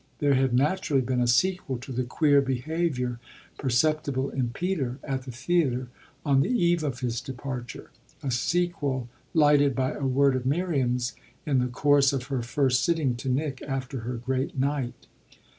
There had naturally been a sequel to the queer behaviour perceptible in Peter, at the theatre, on the eve of his departure a sequel lighted by a word of Miriam's in the course of her first sitting to Nick after her great night.